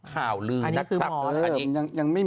ข่าวลื่นนะครับ